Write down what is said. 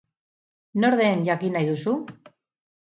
Nor den jakin nahi duzu?